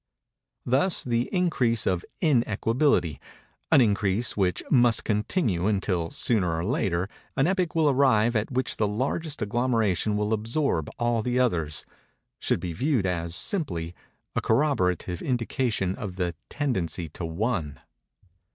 Thus the increase of in equability—an increase which must continue until, sooner or later, an epoch will arrive at which the largest agglomeration will absorb all the others—should be viewed as, simply, a corroborative indication of the tendency to One.